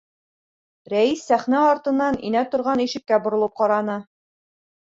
Рәис сәхнә артынан инә торған ишеккә боролоп ҡараны.